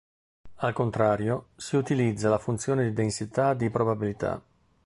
Al contrario, si utilizza la funzione di densità di probabilità.